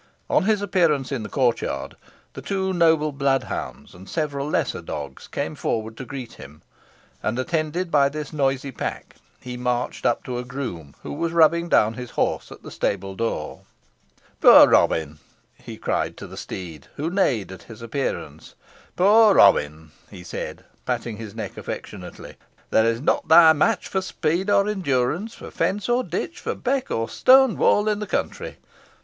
On his appearance in the court yard, the two noble blood hounds and several lesser dogs came forward to greet him, and, attended by this noisy pack, he marched up to a groom, who was rubbing down his horse at the stable door. "Poor Robin," he cried to the steed, who neighed at his approach. "Poor Robin," he said, patting his neck affectionately, "there is not thy match for speed or endurance, for fence or ditch, for beck or stone wall, in the country.